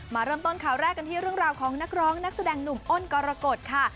มาเริ่มต้นข่าวแรกกันที่เรื่องราวของนักร้องนักแสดงหนุ่มอ้นกรกฎค่ะ